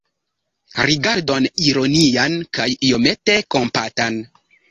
Rigardon ironian kaj iomete kompatan.